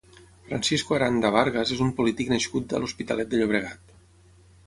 Francisco Aranda Vargas és un polític nascut a l'Hospitalet de Llobregat.